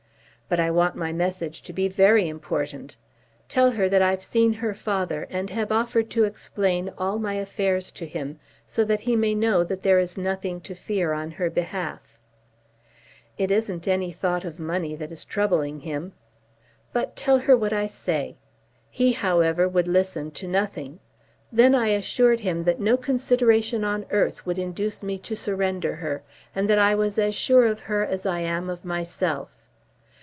"But I want my message to be very important. Tell her that I've seen her father, and have offered to explain all my affairs to him, so that he may know that there is nothing to fear on her behalf." "It isn't any thought of money that is troubling him." "But tell her what I say. He, however, would listen to nothing. Then I assured him that no consideration on earth would induce me to surrender her, and that I was as sure of her as I am of myself.